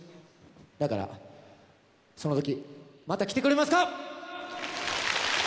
だから、そのとき、また来てくれますか？